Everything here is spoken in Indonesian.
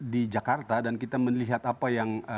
di jakarta dan kita melihat apa yang